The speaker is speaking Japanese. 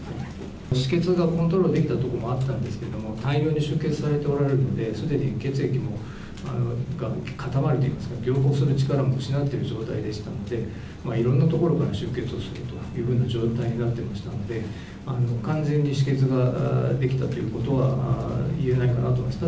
止血がコントロールできたときもあったんですけど、大量に出血されておられるので、すでに血液も固まるといいますか、凝固する力も失っている状態でしたので、いろんな所から出血をしているというふうな状態だったので、完全に止血ができたということはいえないかなと思います。